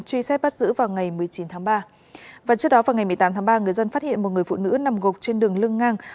truy xét bắt giữ vào ngày một mươi chín tháng ba và trước đó vào ngày một mươi tám tháng ba người dân phát hiện một người phụ nữ nằm gục trên đường lưng ngang